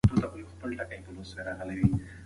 که ځواب وي نو پوهه نه کمېږي.